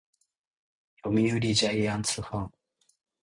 読売ジャイアンツファン